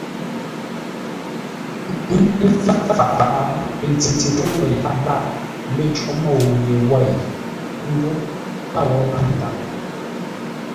Ə́ nkə́ fâʼ faʼá tə ntikáŋ wêi lâʼ lə̂ cǒ môu ye wêi ńgó a wó ńnáŋ tâm.